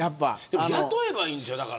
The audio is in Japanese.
雇えばいいんですよ。